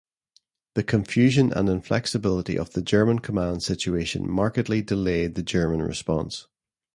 The confusion and inflexibility of the German command situation markedly delayed the German response.